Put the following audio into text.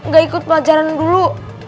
gak ikut pelajaran dulu